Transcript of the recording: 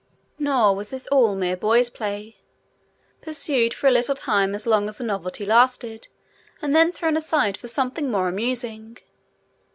Nor was this all mere boys' play, pursued for a little time as long as the novelty lasted, and then thrown aside for something more amusing.